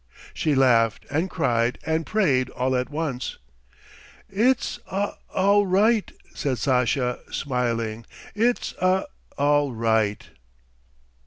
She laughed and cried and prayed all at once. "It's a all right," said Sasha, smiling. "It's a all right."